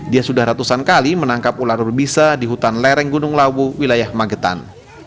dia sudah ratusan kali menangkap ular urbisa di hutan lereng gunung lawu wilayah magetan